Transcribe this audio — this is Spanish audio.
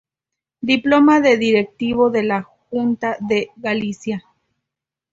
Diploma de directivo de la Xunta de Galicia.